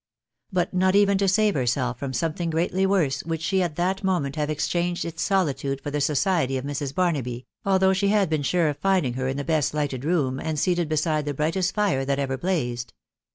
But not even to save herself from some* thing greatly worse, would she at that moment have exchanged its solitude for the society of Mrs. Barnaby, although she had been sure of finding her in the best lighted room, and seated beside the brightest fire that ever blazed.